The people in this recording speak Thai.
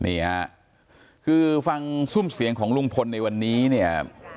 นี่ฮะคือฟังซุ่มเสียงของลุงพลในวันนี้เนี่ย